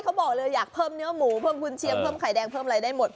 เขาบอกเลยอยากเพิ่มเนื้อหมูเพิ่มกุญเชียงเพิ่มไข่แดงเพิ่มอะไรได้หมด